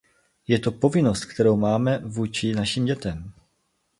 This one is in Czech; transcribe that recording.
Je to povinnost, kterou máme vůči našim dětem.